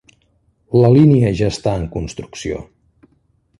La línia ja està en construcció.